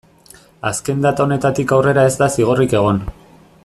Azken data honetatik aurrera ez da zigorrik egon.